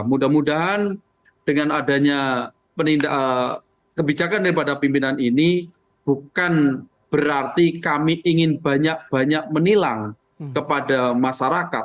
mudah mudahan dengan adanya kebijakan daripada pimpinan ini bukan berarti kami ingin banyak banyak menilang kepada masyarakat